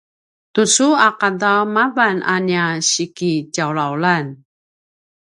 tucu a ’adav mavan a nia sikitjawlawlan